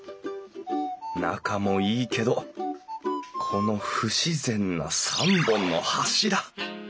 中もいいけどこの不自然な３本の柱。